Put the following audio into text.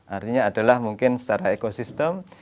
artinya adalah mungkin secara ekosistem